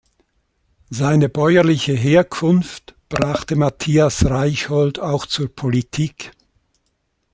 Seine bäuerliche Herkunft brachte Mathias Reichhold auch zur Politik.